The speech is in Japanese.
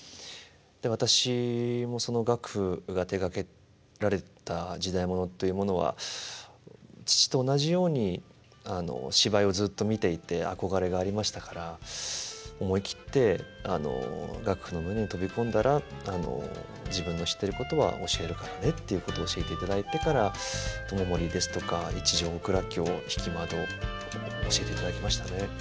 で私もその岳父が手がけられた時代物というものは父と同じように芝居をずっと見ていて憧れがありましたから思い切って岳父の胸に飛び込んだら「自分の知ってることは教えるからね」っていうことを教えていただいてから「知盛」ですとか「一条大蔵卿」「引窓」教えていただきましたね。